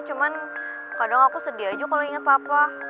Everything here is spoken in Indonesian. cuman kadang aku sedih aja kalau inget papa